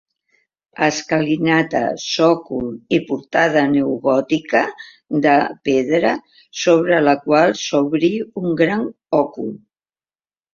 Escalinata, sòcol i portada neogòtica de pedra sobre la qual s'obri un gran òcul.